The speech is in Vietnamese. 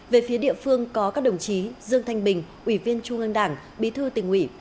về phía địa phương có các đồng chí dương thanh bình ủy viên trung ương đảng bí thư tỉnh ủy